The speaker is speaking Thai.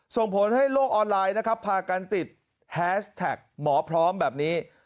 ส่งผลให้โลกออนไลน์นะครับพากันติดแฮชแท็กหมอพร้อมแบบนี้